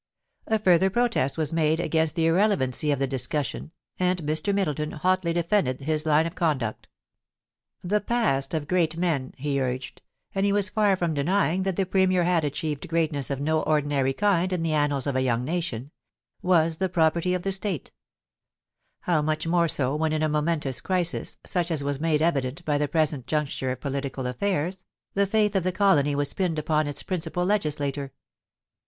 A further protest was made against the irrelevancy of the discussion, and Mr. Middleton hotly defended his line of conduct The past of great men, 4o6 POUCY AND PASSION. he urged — and he was far from denying that the Premier had achieved greatness of no ordinary kind in the annals of a young nation — ^was the property of the State ; how much more so when in a momentous crisis, such as was made evident by the present juncture of political affairs, the fiiith of the colony was pinned upon its principal legislator